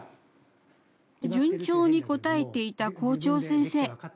順調に答えていた校長先生。